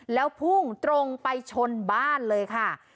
แล้วพุ่งตรงไปชนบ้านเลยค่ะ